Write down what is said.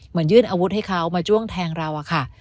ยื่นอาวุธให้เขามาจ้วงแทงเราอะค่ะ